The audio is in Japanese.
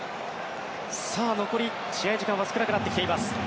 残り、試合時間は少なくなってきています。